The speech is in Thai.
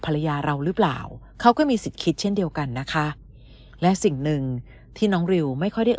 ภรรยาเราหรือเปล่าเขาก็มีสิทธิ์คิดเช่นเดียวกันนะคะและสิ่งหนึ่งที่น้องริวไม่ค่อยได้